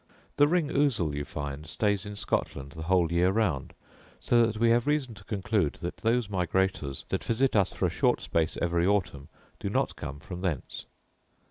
The ring ousel, you find, stays in Scotland the whole year round; so that we have reason to conclude that those migrators that visit us for a short space every autumn do not come from thence.